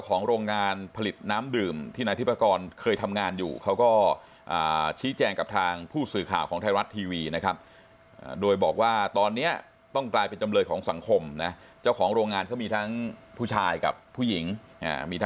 ก็ทำให้ผมมีกำลังใจในการช่วยเหลือสังคมต่อไปก็